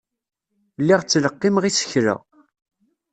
Lliɣ ttleqqimeɣ isekla.